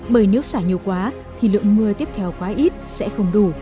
bởi nếu xả nhiều quá thì lượng mưa tiếp theo quá ít sẽ không đủ